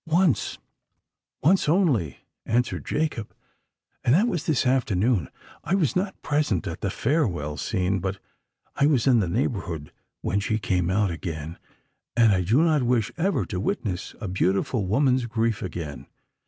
"Once—once only," answered Jacob: "and that was this afternoon. I was not present at the farewell scene: but I was in the neighbourhood when she came out again—and I do not wish ever to witness a beautiful woman's grief again.